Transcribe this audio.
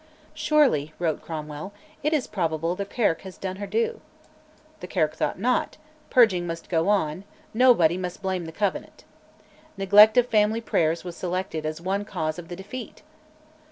"Surely," wrote Cromwell, "it is probable the Kirk has done her do." The Kirk thought not; purging must go on, "nobody must blame the Covenant." Neglect of family prayers was selected as one cause of the defeat!